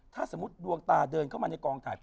ถ้าสมมุติดวงตาเดินเข้ามาในกองถ่าย